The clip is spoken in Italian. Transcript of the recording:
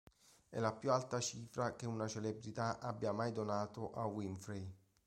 È la più alta cifra che una celebrità abbia mai donato a Winfrey.